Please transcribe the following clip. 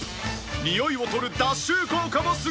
においを取る脱臭効果もすごい！